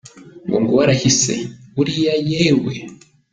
Ngo nguwo arahise, uriya yewee !!